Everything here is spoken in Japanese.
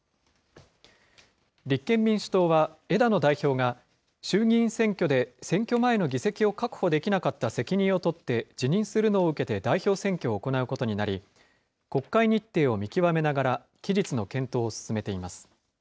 立憲民主党は枝野代表が、衆議院選挙で選挙前の議席を確保できなかった責任を取って辞任するのを受けて代表選挙を行うことになり、国会日程を見極めながら、期日の検討を進めています。